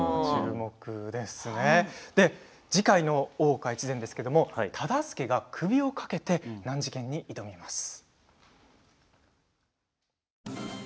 次回の「大岡越前」ですけれど忠相が首をかけて難事件に挑みます。